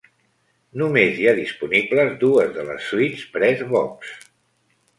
Només hi ha disponibles dues de les suites Press Box.